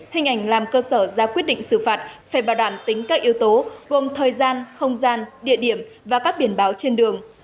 hình ảnh làm cơ sở ra quyết định xử phạt phải bảo đảm tính các yếu tố gồm thời gian không gian địa điểm và các biển báo trên đường